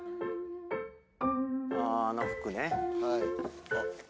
ああの服ね。